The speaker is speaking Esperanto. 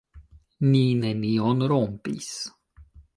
Ni nenion rompis.